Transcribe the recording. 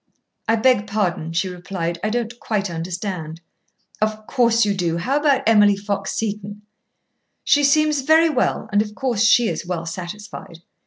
"I beg pardon," she replied. "I don't quite understand." "Of course you do. How about Emily Fox Seton?" "She seems very well, and of course she is well satisfied.